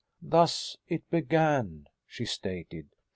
"Thus it began," she stated.